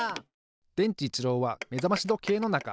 でんちいちろうはめざましどけいのなか。